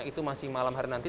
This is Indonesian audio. itu masih malam hari nanti